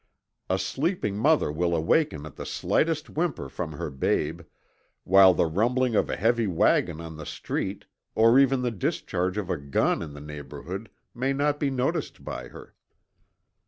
A sleeping mother will awaken at the slightest whimper from her babe, while the rumbling of a heavy wagon on the street, or even the discharge of a gun in the neighborhood may not be noticed by her.